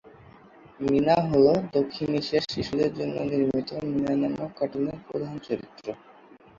মীনা হল দক্ষিণ এশিয়ার শিশুদের জন্য নির্মিত মীনা নামক কার্টুনের প্রধান চরিত্র।